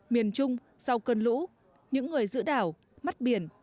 miền trung sau cơn lũ những người giữ đảo mắt biển